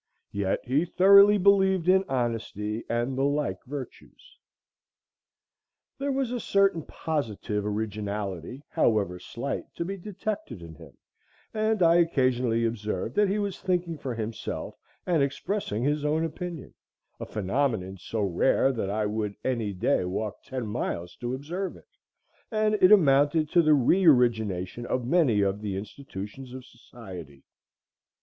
Yet he thoroughly believed in honesty and the like virtues. There was a certain positive originality, however slight, to be detected in him, and I occasionally observed that he was thinking for himself and expressing his own opinion, a phenomenon so rare that I would any day walk ten miles to observe it, and it amounted to the re origination of many of the institutions of society.